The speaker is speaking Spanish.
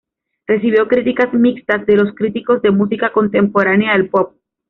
Recibió críticas mixtas de los críticos de música contemporánea del pop.